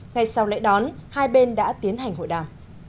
ngay sau lễ đón hai bên đã tiến hành hội đàm